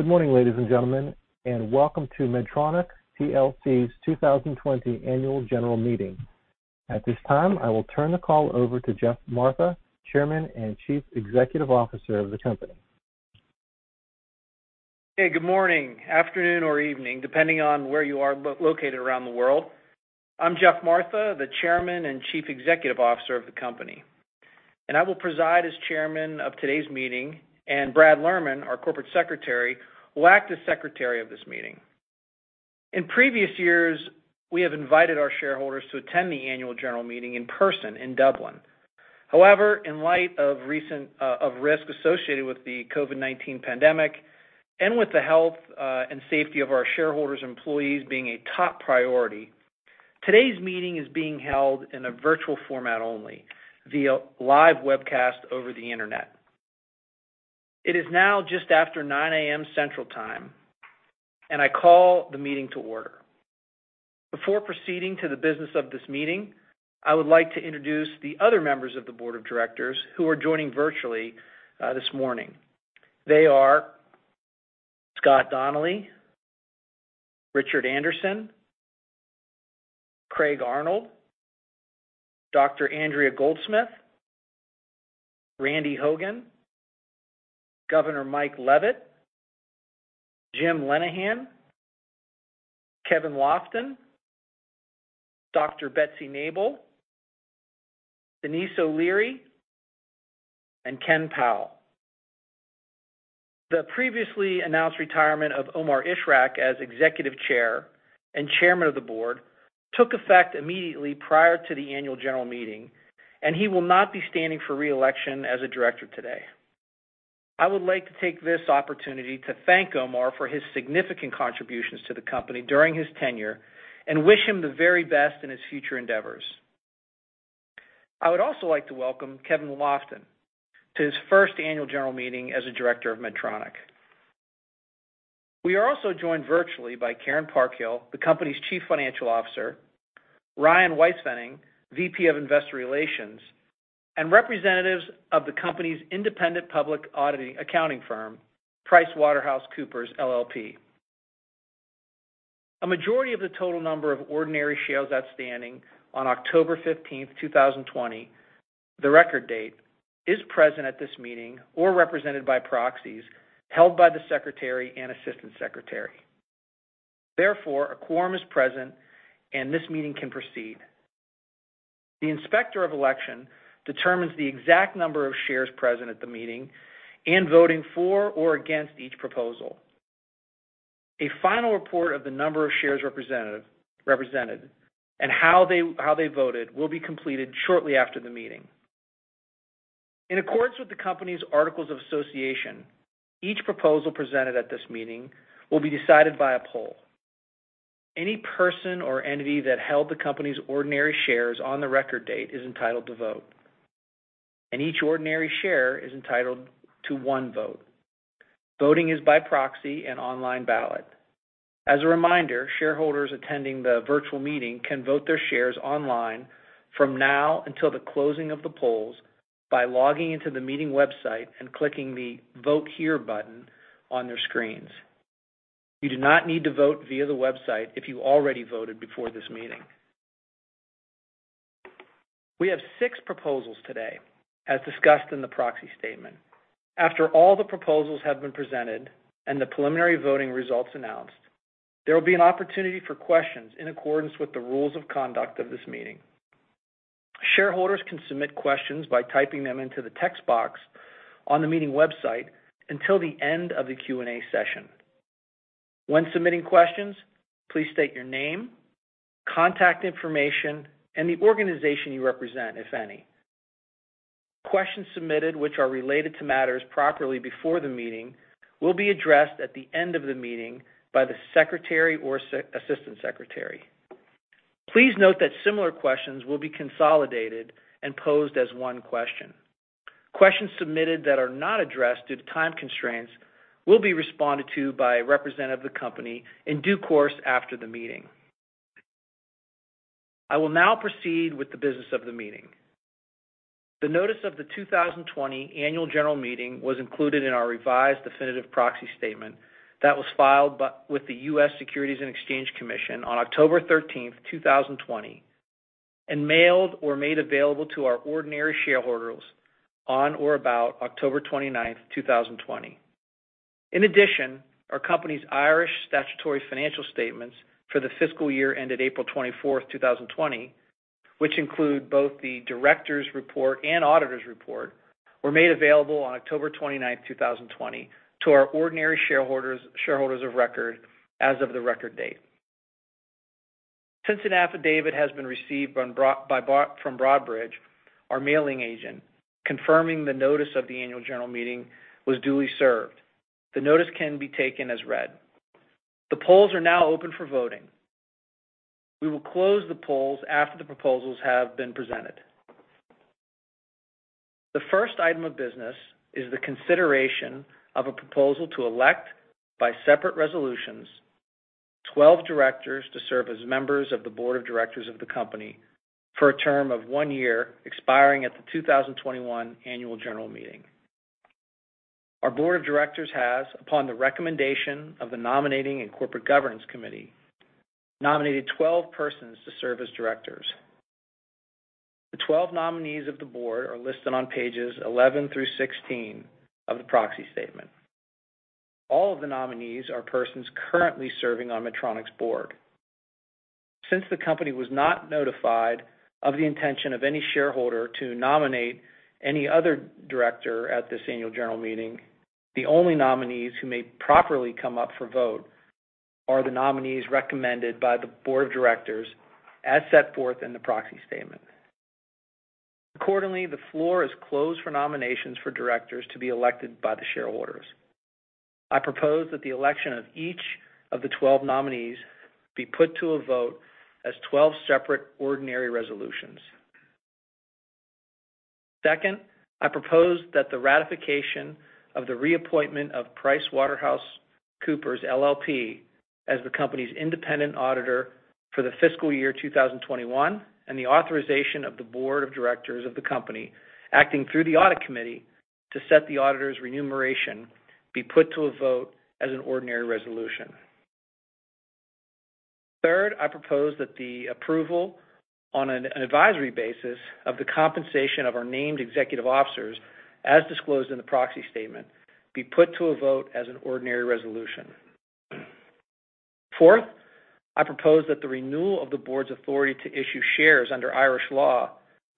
Good morning, ladies and gentlemen, and welcome to Medtronic PLC's 2020 Annual General Meeting. At this time, I will turn the call over to Geoff Martha, Chairman and Chief Executive Officer of the company. Hey, good morning, afternoon, or evening, depending on where you are located around the world. I'm Geoff Martha, the Chairman and Chief Executive Officer of the company, and I will preside as chairman of today's meeting, and Brad Lerman, our Corporate Secretary, will act as secretary of this meeting. In previous years, we have invited our shareholders to attend the annual general meeting in person in Dublin. However, in light of risk associated with the COVID-19 pandemic, and with the health and safety of our shareholders and employees being a top priority, today's meeting is being held in a virtual format only, via live webcast over the internet. It is now just after 9:00 A.M. Central Time, and I call the meeting to order. Before proceeding to the business of this meeting, I would like to introduce the other members of the board of directors who are joining virtually this morning. They are Scott Donnelly, Richard Anderson, Craig Arnold, Dr. Andrea Goldsmith, Randy Hogan, Governor Mike Leavitt, Jim Lenehan, Kevin Lofton, Dr. Betsy Nabel, Denise O'Leary, and Ken Powell. The previously announced retirement of Omar Ishrak as executive chair and chairman of the board took effect immediately prior to the annual general meeting, and he will not be standing for re-election as a director today. I would like to take this opportunity to thank Omar for his significant contributions to the company during his tenure and wish him the very best in his future endeavors. I would also like to welcome Kevin Lofton to his first annual general meeting as a director of Medtronic. We are also joined virtually by Karen Parkhill, the company's Chief Financial Officer, Ryan Weispfenning, VP of Investor Relations, and representatives of the company's independent public auditing accounting firm, PricewaterhouseCoopers LLP. A majority of the total number of ordinary shares outstanding on October 15th, 2020, the record date, is present at this meeting or represented by proxies held by the secretary and assistant secretary. A quorum is present, and this meeting can proceed. The inspector of election determines the exact number of shares present at the meeting and voting for or against each proposal. A final report of the number of shares represented and how they voted will be completed shortly after the meeting. In accordance with the company's articles of association, each proposal presented at this meeting will be decided by a poll. Any person or entity that held the company's ordinary shares on the record date is entitled to vote, and each ordinary share is entitled to one vote. Voting is by proxy and online ballot. As a reminder, shareholders attending the virtual meeting can vote their shares online from now until the closing of the polls by logging into the meeting website and clicking the Vote Here button on their screens. You do not need to vote via the website if you already voted before this meeting. We have six proposals today, as discussed in the proxy statement. After all the proposals have been presented and the preliminary voting results announced, there will be an opportunity for questions in accordance with the rules of conduct of this meeting. Shareholders can submit questions by typing them into the text box on the meeting website until the end of the Q&A session. When submitting questions, please state your name, contact information, and the organization you represent, if any. Questions submitted which are related to matters properly before the meeting will be addressed at the end of the meeting by the secretary or assistant secretary. Please note that similar questions will be consolidated and posed as one question. Questions submitted that are not addressed due to time constraints will be responded to by a representative of the company in due course after the meeting. I will now proceed with the business of the meeting. The notice of the 2020 annual general meeting was included in our revised definitive proxy statement that was filed with the U.S. Securities and Exchange Commission on October 13th, 2020, and mailed or made available to our ordinary shareholders on or about October 29th, 2020. In addition, our company's Irish statutory financial statements for the fiscal year ended April 24th, 2020, which include both the director's report and auditor's report, were made available on October 29th, 2020, to our ordinary shareholders of record as of the record date. Since an affidavit has been received from Broadridge, our mailing agent, confirming the notice of the annual general meeting was duly served, the notice can be taken as read. The polls are now open for voting. We will close the polls after the proposals have been presented. The first item of business is the consideration of a proposal to elect by separate resolutions 12 directors to serve as members of the board of directors of the company for a term of one year expiring at the 2021 annual general meeting. Our board of directors has, upon the recommendation of the nominating and corporate governance committee, nominated 12 persons to serve as directors. The 12 nominees of the board are listed on pages 11 through 16 of the proxy statement. All of the nominees are persons currently serving on Medtronic's board. Since the company was not notified of the intention of any shareholder to nominate any other director at this annual general meeting, the only nominees who may properly come up for vote are the nominees recommended by the board of directors as set forth in the proxy statement. Accordingly, the floor is closed for nominations for directors to be elected by the shareholders. I propose that the election of each of the 12 nominees be put to a vote as 12 separate ordinary resolutions. Second, I propose that the ratification of the reappointment of PricewaterhouseCoopers LLP as the company's independent auditor for the fiscal year 2021 and the authorization of the board of directors of the company acting through the audit committee to set the auditor's remuneration be put to a vote as an ordinary resolution. Third, I propose that the approval on an advisory basis of the compensation of our named executive officers as disclosed in the proxy statement be put to a vote as an ordinary resolution. Fourth, I propose that the renewal of the board's authority to issue shares under Irish law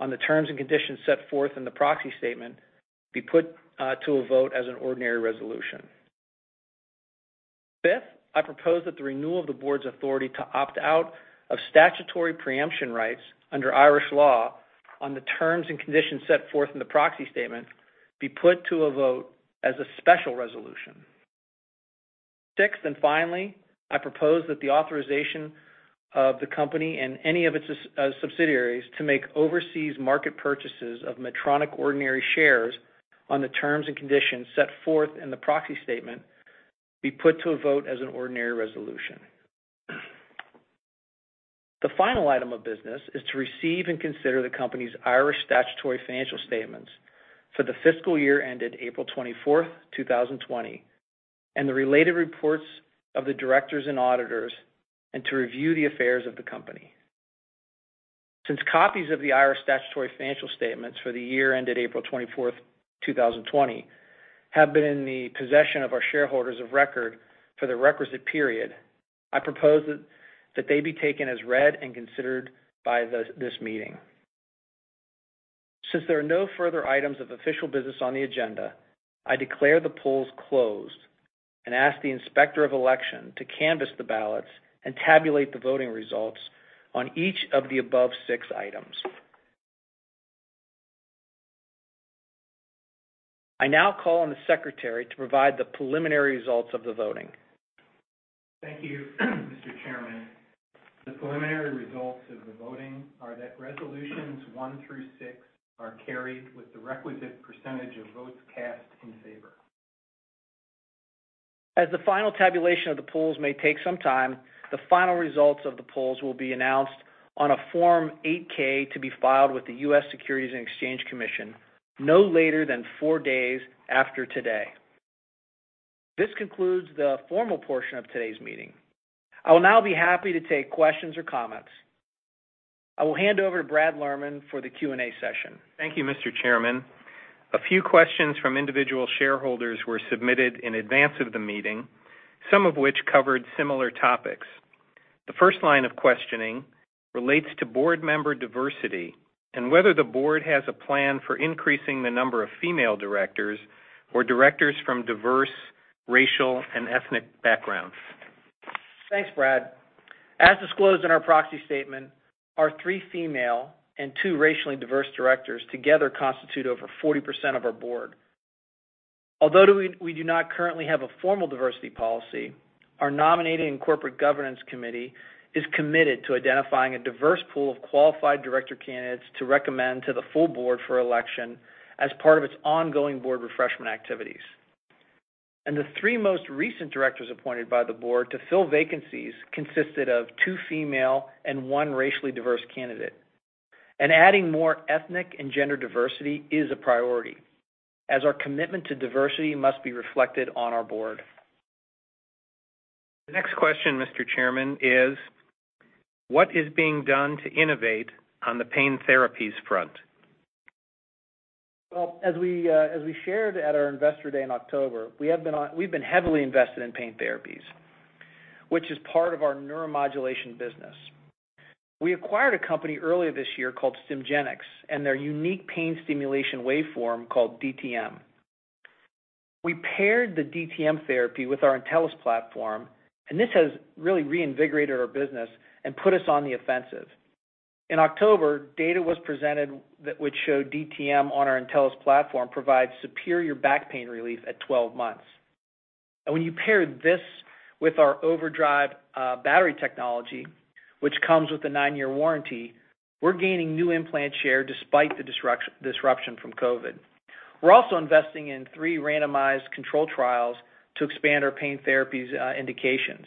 on the terms and conditions set forth in the proxy statement be put to a vote as an ordinary resolution. Fifth, I propose that the renewal of the board's authority to opt-out of statutory preemption rights under Irish law on the terms and conditions set forth in the proxy statement be put to a vote as a special resolution. Sixth and finally, I propose that the authorization of the company and any of its subsidiaries to make overseas market purchases of Medtronic ordinary shares on the terms and conditions set forth in the proxy statement be put to a vote as an ordinary resolution. The final item of business is to receive and consider the company's Irish statutory financial statements for the fiscal year ended April 24th, 2020, and the related reports of the directors and auditors, and to review the affairs of the company. Since copies of the Irish statutory financial statements for the year ended April 24th, 2020, have been in the possession of our shareholders of record for the requisite period, I propose that they be taken as read and considered by this meeting. Since there are no further items of official business on the agenda, I declare the polls closed and ask the Inspector of Election to canvas the ballots and tabulate the voting results on each of the above six items. I now call on the Secretary to provide the preliminary results of the voting. Thank you, Mr. Chairman. The preliminary results of the voting are that resolutions one through six are carried with the requisite percentage of votes cast in favor. As the final tabulation of the polls may take some time, the final results of the polls will be announced on a Form 8-K to be filed with the U.S. Securities and Exchange Commission no later than four days after today. This concludes the formal portion of today's meeting. I will now be happy to take questions or comments. I will hand over to Brad Lerman for the Q&A session. Thank you, Mr. Chairman. A few questions from individual shareholders were submitted in advance of the meeting, some of which covered similar topics. The first line of questioning relates to board member diversity and whether the board has a plan for increasing the number of female directors or directors from diverse racial and ethnic backgrounds. Thanks, Brad. As disclosed in our proxy statement, our three female and two racially diverse directors together constitute over 40% of our board. Although we do not currently have a formal diversity policy, our nominating and corporate governance committee is committed to identifying a diverse pool of qualified director candidates to recommend to the full board for election as part of its ongoing board refreshment activities. The three most recent directors appointed by the board to fill vacancies consisted of two female and one racially diverse candidate. Adding more ethnic and gender diversity is a priority as our commitment to diversity must be reflected on our board. The next question, Mr. Chairman, is what is being done to innovate on the pain therapies front? Well, as we shared at our investor day in October, we've been heavily invested in pain therapies, which is part of our neuromodulation business. We acquired a company earlier this year called Stimgenics and their unique pain stimulation waveform called DTM. We paired the DTM therapy with our Intellis platform, this has really reinvigorated our business and put us on the offensive. In October, data was presented which showed DTM on our Intellis platform provides superior back pain relief at 12 months. When you pair this with our OverDrive battery technology, which comes with a nine-year warranty, we're gaining new implant share despite the disruption from COVID. We're also investing in three randomized control trials to expand our pain therapies indications,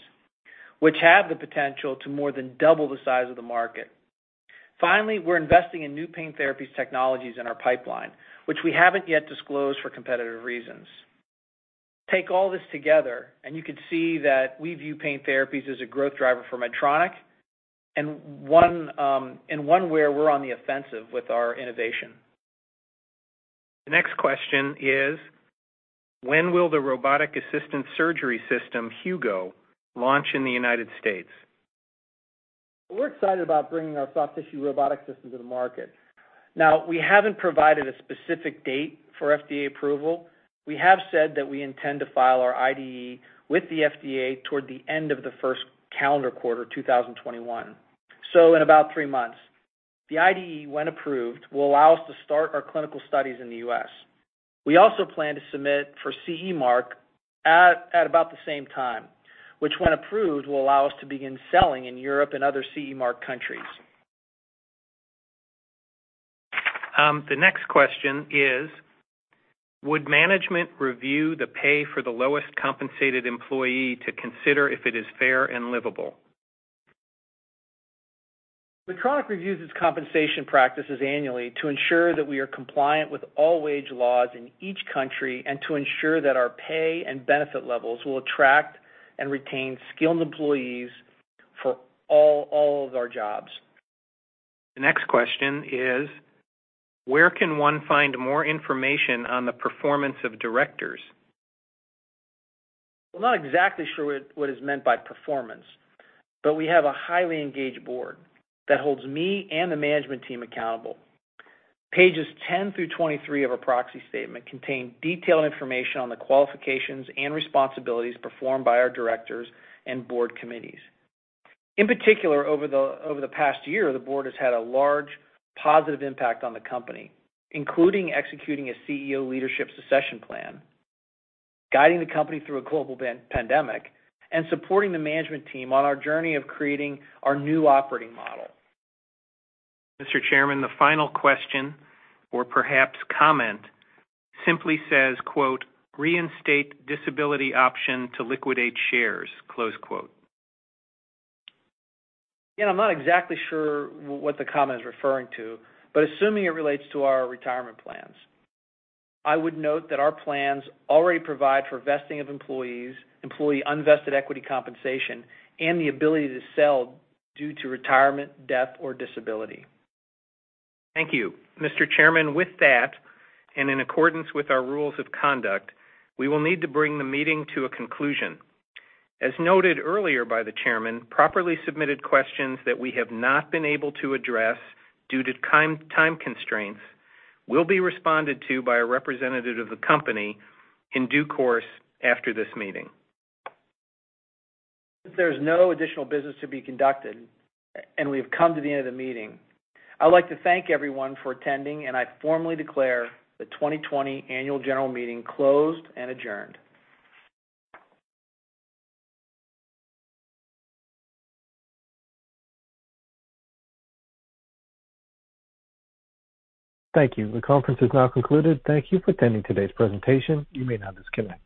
which have the potential to more than double the size of the market. Finally, we're investing in new pain therapies technologies in our pipeline, which we haven't yet disclosed for competitive reasons. Take all this together, and you can see that we view pain therapies as a growth driver for Medtronic, and one where we're on the offensive with our innovation. The next question is: when will the robotic-assisted surgery system, Hugo, launch in the United States? We're excited about bringing our soft tissue robotic system to the market. We haven't provided a specific date for FDA approval. We have said that we intend to file our IDE with the FDA toward the end of the first calendar quarter 2021. In about three months. The IDE, when approved, will allow us to start our clinical studies in the U.S. We also plan to submit for CE mark at about the same time, which when approved, will allow us to begin selling in Europe and other CE mark countries. The next question is would management review the pay for the lowest compensated employee to consider if it is fair and livable? Medtronic reviews its compensation practices annually to ensure that we are compliant with all wage laws in each country and to ensure that our pay and benefit levels will attract and retain skilled employees for all of our jobs. The next question is where can one find more information on the performance of directors? I'm not exactly sure what is meant by performance, but we have a highly engaged board that holds me and the management team accountable. Pages 10 through 23 of our proxy statement contain detailed information on the qualifications and responsibilities performed by our directors and board committees. In particular, over the past year, the board has had a large positive impact on the company, including executing a CEO leadership succession plan, guiding the company through a global pandemic, and supporting the management team on our journey of creating our new operating model. Mr. Chairman, the final question, or perhaps comment, simply says, quote, "Reinstate disability option to liquidate shares." Close quote. I'm not exactly sure what the comment is referring to, but assuming it relates to our retirement plans, I would note that our plans already provide for vesting of employee unvested equity compensation and the ability to sell due to retirement, death, or disability. Thank you. Mr. Chairman, with that, and in accordance with our rules of conduct, we will need to bring the meeting to a conclusion. As noted earlier by the chairman, properly submitted questions that we have not been able to address due to time constraints will be responded to by a representative of the company in due course after this meeting. Since there's no additional business to be conducted, and we've come to the end of the meeting, I'd like to thank everyone for attending, and I formally declare the 2020 Annual General Meeting closed and adjourned. Thank you. The conference is now concluded. Thank you for attending today's presentation. You may now disconnect.